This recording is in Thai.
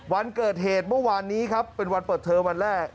วันเกิดเหตุเมื่อวานนี้ครับเป็นวันเปิดเทอมวันแรก